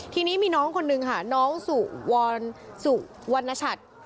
ทีนี้มีน้องคนนึงค่ะน้องสุวรสุวรรณชัด